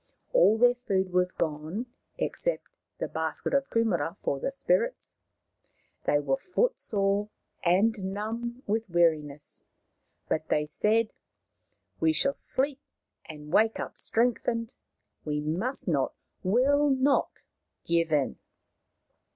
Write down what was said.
All their food was gone except the basket of kumaras for the spirits, they were footsore, and numb with weari ness, but they said: "We shall sleep and wake up strengthened. We must not, will not give in."